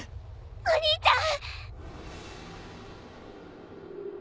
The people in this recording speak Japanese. お兄ちゃん！